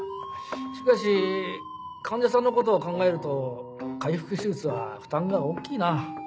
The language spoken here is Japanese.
しかし患者さんのことを考えると開腹手術は負担が大きいな。